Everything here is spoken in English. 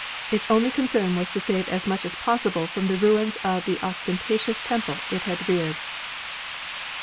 Its only concern was to save as much as possible from the ruins of the ostentatious temple it had reared.